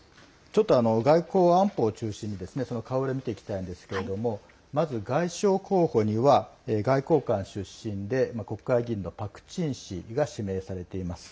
外交安保を中心に顔ぶれを見ていきたいんですがまず、外相候補には外交官出身で国会議員のパク・チン氏が指名されています。